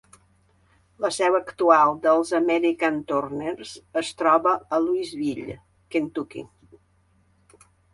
La seu actual dels American Turners es troba a Louisville, Kentucky.